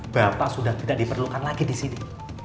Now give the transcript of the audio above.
bapak sudah tidak diperlukan lagi disini